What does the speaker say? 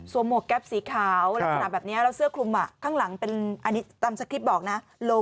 หมวกแก๊ปสีขาวลักษณะแบบนี้แล้วเสื้อคลุมข้างหลังเป็นอันนี้ตามสคริปต์บอกนะ